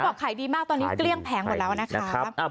บอกขายดีมากตอนนี้เกลี้ยงแผงหมดแล้วนะครับ